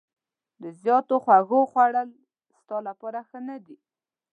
د زیاتو خوږو خوړل ستا لپاره ښه نه دي.